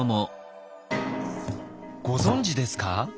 ご存じですか？